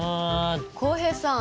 浩平さん。